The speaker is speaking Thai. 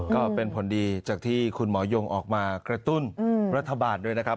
ก็เป็นผลดีจากที่คุณหมอยงออกมากระตุ้นรัฐบาลด้วยนะครับ